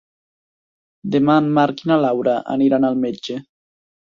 Demà en Marc i na Laura aniran al metge.